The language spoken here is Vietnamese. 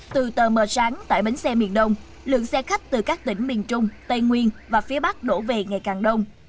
từ tờ mờ sáng tại bến xe miền đông lượng xe khách từ các tỉnh miền trung tây nguyên và phía bắc đổ về ngày càng đông